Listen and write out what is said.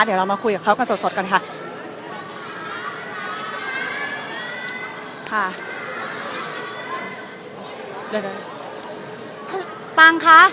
สวัสดีครับขออนุญาตถ้าใครถึงแฟนทีลักษณ์ที่เกิดอยู่แล้วค่ะ